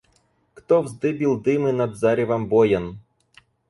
Кто вздыбил дымы над заревом боен?